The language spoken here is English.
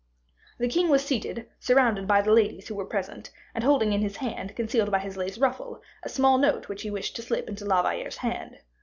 The king was seated, surrounded by the ladies who were present, and holding in his hand, concealed by his lace ruffle, a small note which he wished to slip into La Valliere's hand.